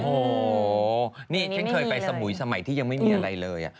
โอ้โหนี่ฉันเคยไปสมุยสมัยที่ยังไม่มีอะไรเลย